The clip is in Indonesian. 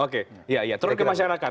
oke ya ya turun ke masyarakat